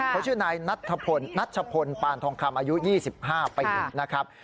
เขาชื่อนายนัทชะพลปานทองคำอายุ๒๕ปี